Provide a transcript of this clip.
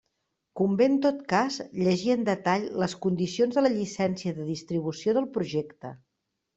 Convé en tot cas llegir en detall les condicions de la llicència de distribució del projecte.